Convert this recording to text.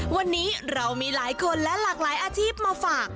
วันนี้เรามีหลายคนและหลากหลายอาชีพมาฝาก